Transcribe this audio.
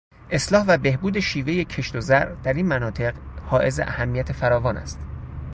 اصلاح و بهبود شیوهٔ کشت و زرع در این مناطق حائز اهمیت فراوان است.